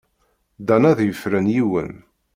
Dan ad yefren yiwen.